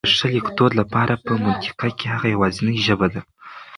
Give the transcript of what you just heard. د ښه لیکدود لپاره په منطقه کي هغه يواځنۍ ژبه ده